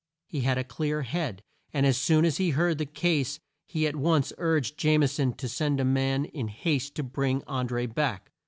He had a clear head, and as soon as he heard the case he at once urged Jame son to send a man in haste to bring An dré back.